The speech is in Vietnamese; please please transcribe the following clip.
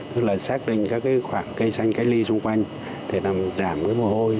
tức là xác định các khoảng cây xanh cây ly xung quanh để giảm mùi hôi